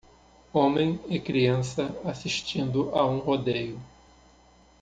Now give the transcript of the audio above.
Homem e criança assistindo a um rodeio.